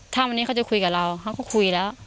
ถ้าวันนี้เขาจะคุยกับเราเขาก็คุยแล้ว